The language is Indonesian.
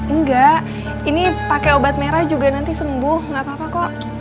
enggak ini pakai obat merah juga nanti sembuh gak apa apa kok